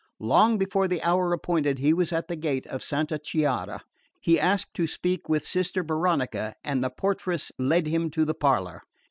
Long before the hour appointed he was at the gate of Santa Chiara. He asked to speak with Sister Veronica and the portress led him to the parlour.